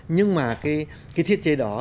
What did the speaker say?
nhưng mà cái thiết chế đó